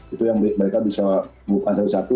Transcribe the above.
itu yang mereka bisa bukan satu satu